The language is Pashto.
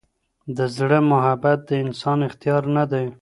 د زړه محبت د انسان اختیار نه دی.